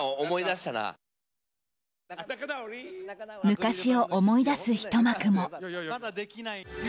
昔を思い出すひと幕も。